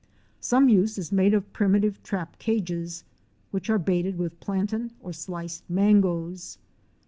Some use is made of primitive trap cages, which are baited with plantain or sliced mangoes.